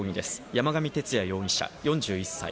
山上徹也容疑者、４１歳。